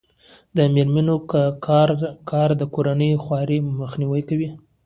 د میرمنو کار د کورنۍ خوارۍ مخنیوی کوي.